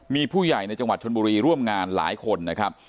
มีผู้ใหญ่ในจังหวัดชนบุรีร่วมงานหลายคนนะครับ